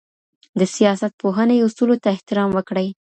د سياست پوهني اصولو ته احترام وکړئ.